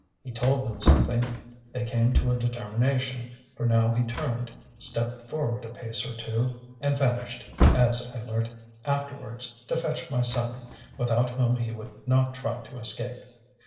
He told them something, they came to a determination, for now he turned, stepped forward a pace or two, and vanished, as I learnt afterwards, to fetch my son, without whom he would not try to escape.